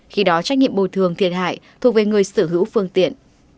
khi đó trách nhiệm bồi thường thiệt hại thuộc về người sở hữu phương tiện